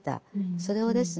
それをですね